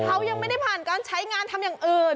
เขายังไม่ได้ผ่านการใช้งานทำอย่างอื่น